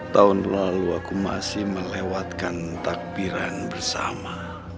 tahun lalu aku masih melewatkan takbiran bersama